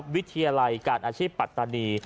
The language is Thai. วิทยาลัยการอาชีพปัตตานี